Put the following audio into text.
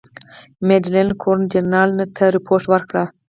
میډلټن ګورنرجنرال ته رپوټ ورکړ.